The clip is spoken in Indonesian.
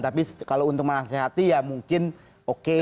tapi kalau untuk menasehati ya mungkin oke